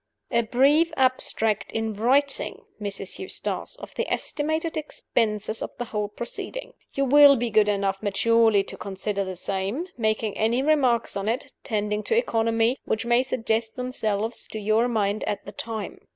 "A brief abstract in writing, Mrs. Eustace, of the estimated expenses of the whole proceeding. You will be good enough maturely to consider the same, making any remarks on it, tending to economy, which may suggest themselves to your mind at the time.